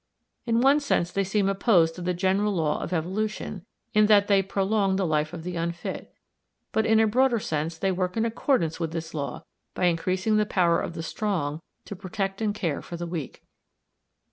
In one sense they seem opposed to the general law of evolution, in that they prolong the life of the unfit; but in a broader sense they work in accordance with this law by increasing the power of the strong to protect and care for the weak.